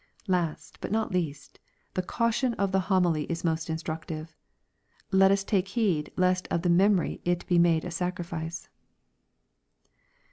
"— Last, but not least, the caution of the Homily is most instructive :" Let us take heed lest of the mem ory it be made a sacrifice."